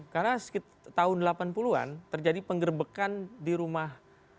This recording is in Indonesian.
karena tahun delapan puluh an terjadi penggerbekan di rumah